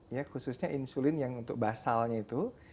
ya khususnya insulin yang untuk basalnya itu